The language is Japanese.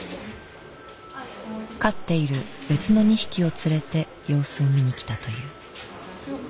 飼っている別の２匹を連れて様子を見に来たという。